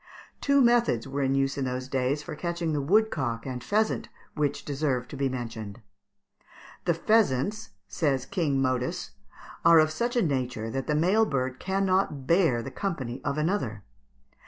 ] Two methods were in use in those days for catching the woodcook and pheasant, which deserve to be mentioned. "The pheasants," says "King Modus," "are of such a nature that the male bird cannot bear the company of another."